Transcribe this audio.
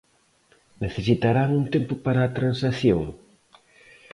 ¿Necesitarán un tempo para a transacción?